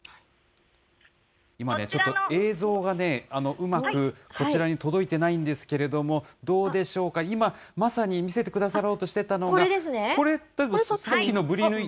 今ね、ちょっと映像がね、うまくこちらに届いてないんですけれども、どうでしょうか、今、まさに見せてくださろうとしてたのが、これ、たぶん、さっきのブリヌイ。